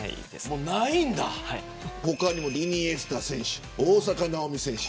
他にもイニエスタ選手大坂なおみ選手